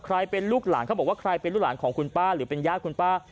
เป็นลูกหลานเขาบอกว่าใครเป็นลูกหลานของคุณป้าหรือเป็นญาติคุณป้า